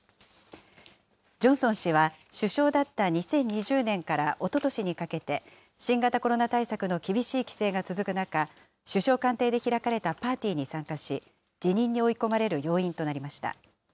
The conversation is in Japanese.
ジョンソン氏は、首相だった２０２０年からおととしにかけて、新型コロナ対策の厳しい規制が続く中、首相官邸で開かれたパーティーに参加し、辞任に追い込まれる要因となりました。